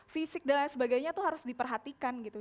fisik dan sebagainya tuh harus diperhatikan gitu